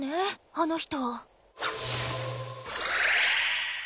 あの人。